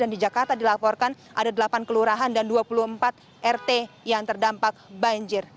dan di jakarta dilaporkan ada delapan kelurahan dan dua puluh empat rt yang terdampak banjir